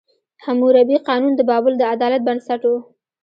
حموربي قانون د بابل د عدالت بنسټ و.